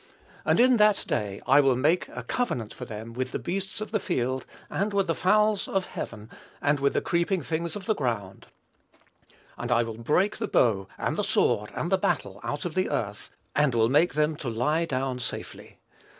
"And in that day I will make a covenant for them with the beasts of the field, and with the fowls of heaven, and with the creeping things of the ground: and I will break the bow, and the sword, and the battle, out of the earth, and will make them to lie down safely.